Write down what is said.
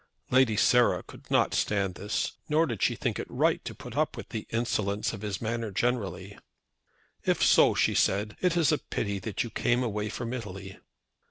Lady Sarah could not stand this, nor did she think it right to put up with the insolence of his manner generally. "If so," she said, "it is a pity that you came away from Italy."